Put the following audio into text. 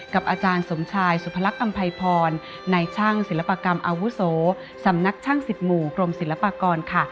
กับอาจารย์สมชายสุพลักษำภัยพรในช่างศิลปกรรมอาวุโสสำนักช่างสิบหมู่กรมศิลปากรค่ะ